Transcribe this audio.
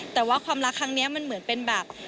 แต่ว่าความรักครั้งนี้มันเหมือนเป็นแบบ